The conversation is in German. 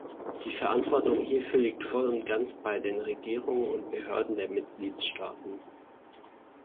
Die Verantwortung hierfür liegt voll und ganz bei den Regierungen und Behörden der Mitgliedstaaten.